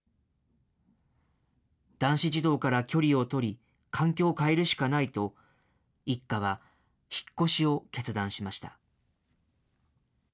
男子児童から距離を取り、環境を変えるしかないと、一家は引っ越しを決断しました。